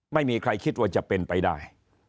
ไม่มีใครคิดว่าจะเป็นไปได้